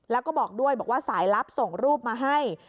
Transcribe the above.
แล้วก็บอกด้วยบอกว่าสายลับส่งรูปมาให้